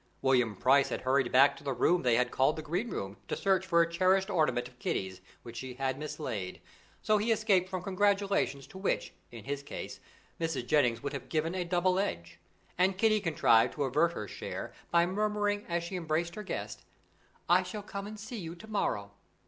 William Price had hurried back to the room they had called the green room, to search for a cherished ornament of Kitty's which she had mislaid, so he escaped from congratulations to which, in his case, Mrs. Jennings would have given a double edge, and Kitty contrived to avert her share by murmuring as she embraced her guest: "I shall come and see you to morrow."